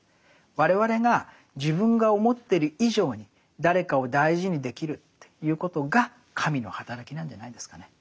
我々が自分が思ってる以上に誰かを大事にできるということが神のはたらきなんじゃないですかね。